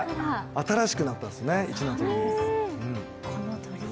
新しくなったんですね一の鳥居。